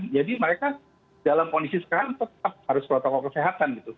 mereka dalam kondisi sekarang tetap harus protokol kesehatan gitu